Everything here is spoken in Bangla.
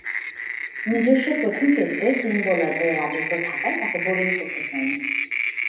নিজস্ব প্রথম টেস্টে সিম বোলারদের রাজত্ব থাকায় তাকে বোলিং করতে হয়নি।